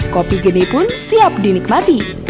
kopi gede pun siap dinikmati